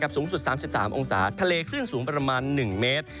สูงสุด๓๓องศาทะเลคลื่นสูงประมาณ๑เมตร